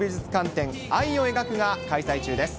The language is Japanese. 展愛を描くが開催中です。